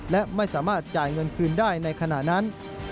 และไม่สามารถจ่ายเงินคืนได้ในขณะนั้น